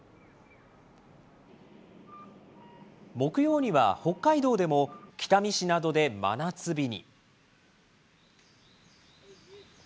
木曜には北海道でも北見市などで真夏日に。